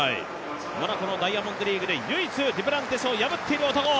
ただダイヤモンドリーグで唯一デュプランティスを破っている。